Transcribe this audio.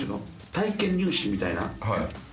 体験入信みたいな。